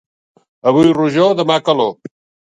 Avui rojor, demà calor.